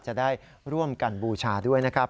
จะได้ร่วมกันบูชาด้วยนะครับ